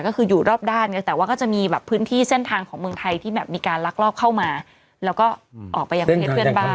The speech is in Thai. ก็คืออยู่รอบด้านไงแต่ว่าก็จะมีแบบพื้นที่เส้นทางของเมืองไทยที่แบบมีการลักลอบเข้ามาแล้วก็ออกไปยังประเทศเพื่อนบ้าน